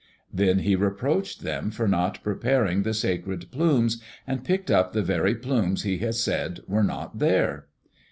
Then he reproached them for not preparing the sacred plumes, and picked up the very plumes he had said were not there.